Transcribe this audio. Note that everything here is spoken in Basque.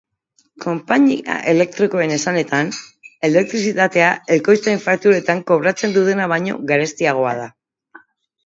Konpainia elektrikoen esanetan, elektrizitatea ekoiztea fakturetan kobratzen dutena baino garestiagoa da.